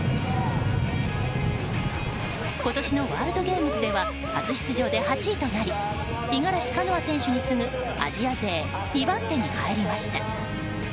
今年のワールドゲームズでは初出場で８位となり五十嵐カノア選手に次ぐアジア勢２番手に入りました。